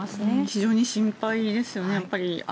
非常に心配ですよね。